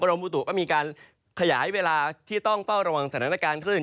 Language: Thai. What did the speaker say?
รมบุตุก็มีการขยายเวลาที่ต้องเฝ้าระวังสถานการณ์คลื่น